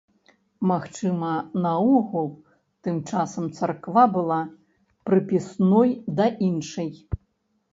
Магчыма, наогул, тым часам царква была прыпісной да іншай.